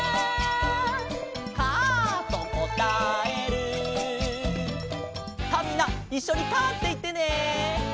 「カァとこたえる」さあみんないっしょに「カァ」っていってね。